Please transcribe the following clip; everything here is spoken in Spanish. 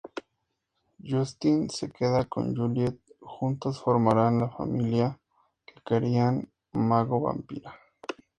Justin se queda con Juliet, juntos formarán la familia que querían, mago-vampira.